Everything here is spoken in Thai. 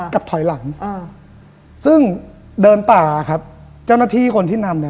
กับถอยหลังอ่าซึ่งเดินป่าครับเจ้าหน้าที่คนที่นำเนี่ย